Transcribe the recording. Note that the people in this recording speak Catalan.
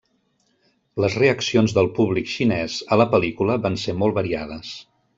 Les reaccions del públic xinès a la pel·lícula van ser molt variades.